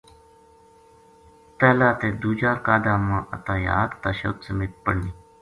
پہلا تے دوجا قعدہ ما التحیات تشہد سمیت پڑھنی۔